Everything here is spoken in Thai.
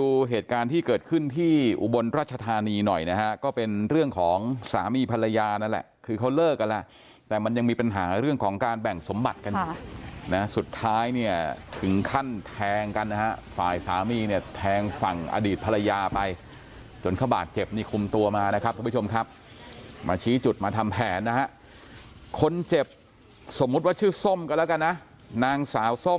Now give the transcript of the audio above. ดูเหตุการณ์ที่เกิดขึ้นที่อุบลรัชธานีหน่อยนะฮะก็เป็นเรื่องของสามีภรรยานั่นแหละคือเขาเลิกกันแล้วแต่มันยังมีปัญหาเรื่องของการแบ่งสมบัติกันนะสุดท้ายเนี่ยถึงขั้นแทงกันนะฮะฝ่ายสามีเนี่ยแทงฝั่งอดีตภรรยาไปจนเขาบาดเจ็บนี่คุมตัวมานะครับทุกผู้ชมครับมาชี้จุดมาทำแผนนะฮะคนเจ็บสมมุติว่าชื่อส้มกันแล้วกันนะนางสาวส้ม